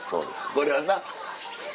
これはな。